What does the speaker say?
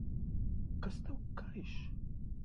Kas tev kaiš?